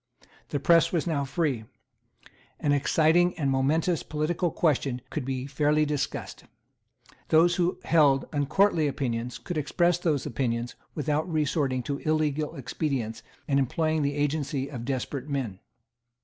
The press was now free. An exciting and momentous political question could be fairly discussed. Those who held uncourtly opinions could express those opinions without resorting to illegal expedients and employing the agency of desperate men.